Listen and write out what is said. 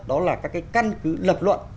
đó là các cái căn cứ lập luận